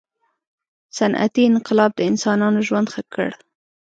• صنعتي انقلاب د انسانانو ژوند ښه کړ.